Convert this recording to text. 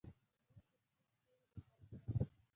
قدرت د شپې ستوري روښانه ساتي.